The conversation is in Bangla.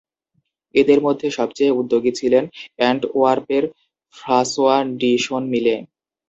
এদের মধ্যে সবচেয়ে উদ্যোগী ছিলেন অ্যান্টওয়ার্পের ফ্রাঁসোয়া ডি শোনমিলে।